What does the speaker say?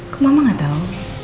kok mama nggak tahu